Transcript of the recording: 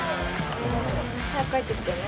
早く帰ってきてね？